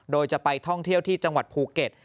โดยจะไปท่องเที่ยวที่จังหวัดภูเก็ต